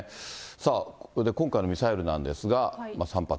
さあ、今回のミサイルなんですが、３発。